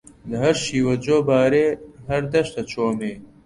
لە هەر شیوە جۆبارێ هەر دەشتە چۆمێ